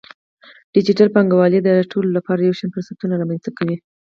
ډیجیټل بانکوالي د ټولو لپاره یو شان فرصتونه رامنځته کوي.